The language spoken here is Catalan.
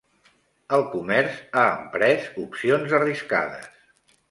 El comerç ha emprès opcions arriscades.